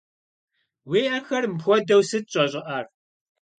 Vui 'exer mıpxuedeu sıt ş'eş'ı'er?